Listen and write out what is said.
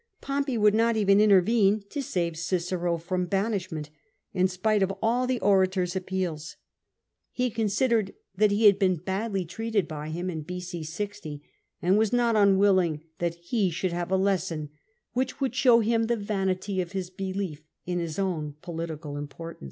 Pompey would not even intervene to save Cicero from banishment, in spite of all the orator's appeals. He considered that he had been badly treated by him in B.c. 60, and was not un willing that he should have a lesson which would show him the vanity of his belief in his own political im portance.